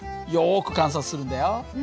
よく観察するんだよ。